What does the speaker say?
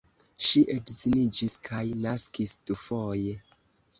Ŝi edziniĝis kaj naskis dufoje.